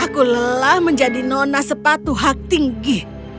aku lelah menjadi nona sepatu hak tinggi